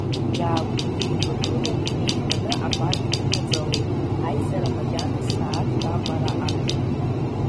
Иаагәыдеибакылан еиманы апарк иныҵалеит, аизара макьана сааҭк аҟара агын.